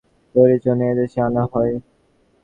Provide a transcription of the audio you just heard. এগুলো মূলত চা বাগানের ছায়া তৈরির জন্য এ দেশে আনা হয়।